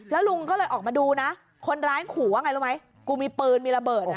แล้วลุงก็เลยออกมาดูนะคนร้ายขู่ว่าไงรู้ไหมกูมีปืนมีระเบิดนะ